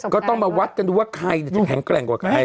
ก็ต้องมาวัดกันดูว่าใครจะแข็งแกร่งกว่าใคร